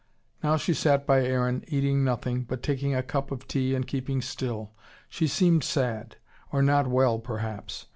Now she sat by Aaron, eating nothing, but taking a cup of tea and keeping still. She seemed sad or not well perhaps.